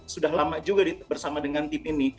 sudah lama juga bersama dengan tim ini